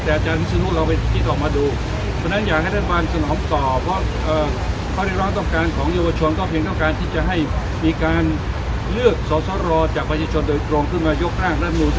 แต่อาจารย์ธรรมสุนุนเราไปคิดออกมาดู